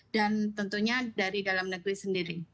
dan tentunya dari dalam negeri sendiri